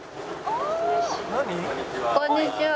こんにちは。